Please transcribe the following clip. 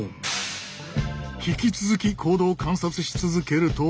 引き続き行動を観察し続けると。